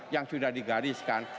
yang sudah digariskan